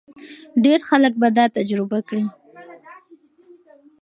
ډېر خلک به دا تجربه کړي.